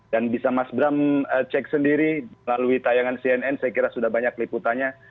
dan bisa mas bram cek sendiri lalui tayangan cnn saya kira sudah banyak liputannya